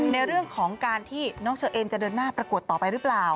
ในเรื่องของการที่น้องเชอเอนจะเดินหน้าประกวดต่อไปหรือเปล่า